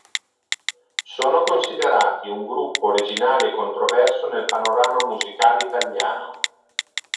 Sono considerati un gruppo originale e controverso nel panorama musicale italiano.